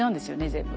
全部。